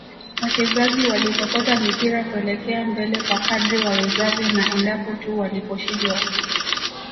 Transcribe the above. Wachezaji walikokota mipira kuelekea mbele kwa kadri wawezavyo na endapo tu waliposhindwa